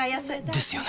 ですよね